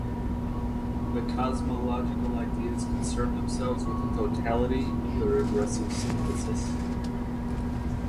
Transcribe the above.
The cosmological ideas concern themselves with the totality of the regressive synthesis.